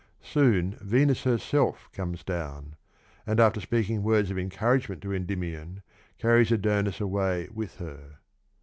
Soon Venus herself comes down, and, after speaking words of encouragement to Endymion, carries Adonis away with her.